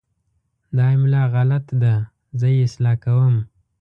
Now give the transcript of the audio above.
دا املا غلط ده، زه یې اصلاح کوم.